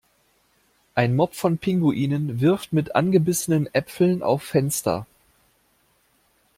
Ein Mob von Pinguinen wirft mit angebissenen Äpfeln auf Fenster.